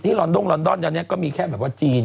ลอนดงลอนดอนตอนนี้ก็มีแค่แบบว่าจีน